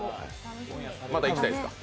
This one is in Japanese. また行きたいですか？